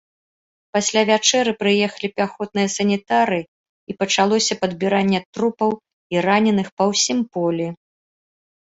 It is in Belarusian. Пасля вячэры прыехалі пяхотныя санітары, і пачалося падбіранне трупаў і раненых па ўсім полі.